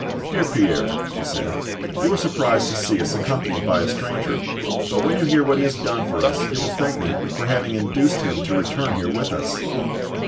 "Dear Pierre," she said, "you are surprised to see us accompanied by a stranger, but when you hear what he has done for us you will thank me for having induced him to return here with us."